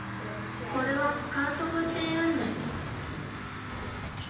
これは管足っていうんだ。